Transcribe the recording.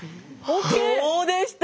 どうでした？